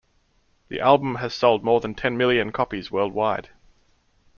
The album has sold more than ten million copies worldwide.